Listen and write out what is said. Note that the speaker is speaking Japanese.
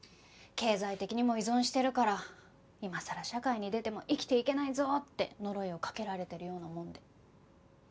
経済的にも依存してるから今さら社会に出ても生きていけないぞって呪いをかけられてるようなもんで。